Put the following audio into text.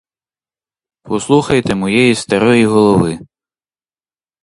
Послухайте моєї старої голови!